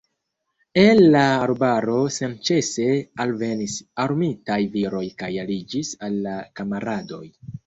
El la arbaro senĉese alvenis armitaj viroj kaj aliĝis al la kamaradoj.